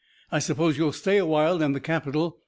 I suppose you'll stay a while in the capital.